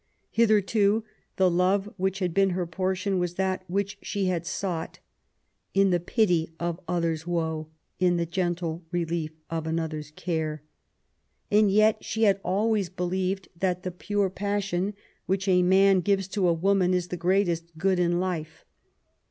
Hitherto the love ' which had been her portion was that which she had sought ... In the pity of other's woe, In the gentle relief of another's care. And yet she had always believed that the pure passion ^ which a man gives to a woman is the greatest good in life.